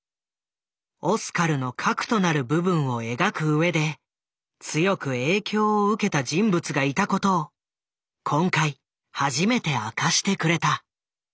オスカルの核となる部分を描く上で強く影響を受けた人物がいたことを今回初めて明かしてくれた。